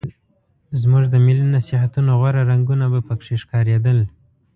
زموږ د ملي نصیحتونو غوره رنګونه به پکې ښکارېدل.